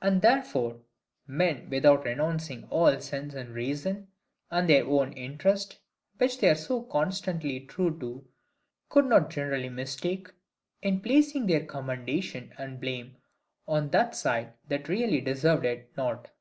And therefore men, without renouncing all sense and reason, and their own interest, which they are so constantly true to, could not generally mistake, in placing their commendation and blame on that side that really deserved it not.